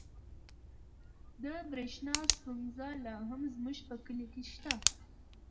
د برښنا ستونزه لا هم زموږ په کلي کې شته.